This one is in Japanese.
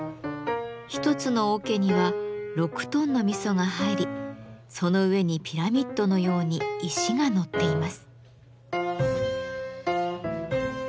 一つの桶には６トンの味噌が入りその上にピラミッドのように石が載っています。